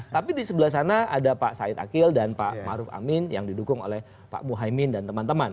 tapi di sebelah sana ada pak said akil dan pak maruf amin yang didukung oleh pak muhaymin dan teman teman